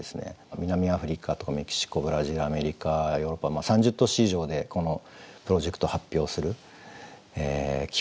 南アフリカとかメキシコブラジルアメリカヨーロッパ３０都市以上でこのプロジェクトを発表する機会に恵まれました。